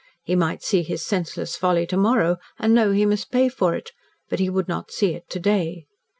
He might see his senseless folly to morrow and know he must pay for it, but he would not see it to day.